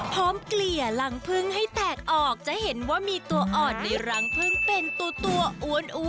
เกลี่ยรังพึ่งให้แตกออกจะเห็นว่ามีตัวอ่อนในรังพึ่งเป็นตัวอ้วน